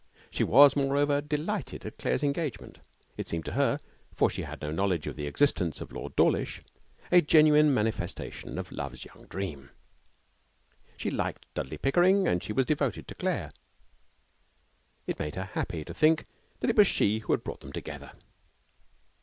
She was, moreover, delighted at Claire's engagement. It seemed to her, for she had no knowledge of the existence of Lord Dawlish, a genuine manifestation of Love's Young Dream. She liked Dudley Pickering and she was devoted to Claire. It made her happy to think that it was she who had brought them together.